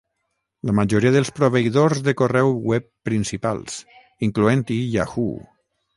La majoria dels proveïdors de correu web principals, incloent-hi Yahoo!